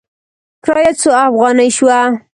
کرایه څو افغانې شوه؟